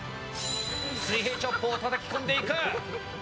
水平チョップを叩き込んでいく！